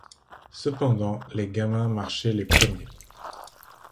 Cependant, les gamins marchaient les premiers.